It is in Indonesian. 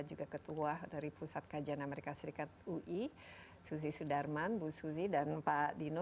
juga ketua dari pusat kajian amerika serikat ui suzy sudarman bu susi dan pak dino